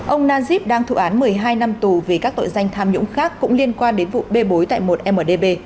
ông najib đang thụ án một mươi hai năm tù vì các tội danh tham nhũng khác cũng liên quan đến vụ bê bối tại một mdb